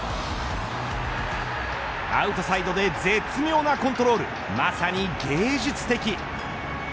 アウトサイドで絶妙なコントロールまさに芸術的。